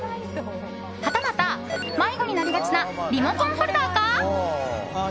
はたまた、迷子になりがちなリモコンホルダーか。